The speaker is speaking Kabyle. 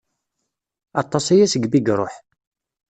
Aṭas aya segmi i iruḥ.